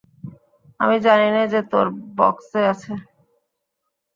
আমি জানিনে যে তোর বাক্সে আছে।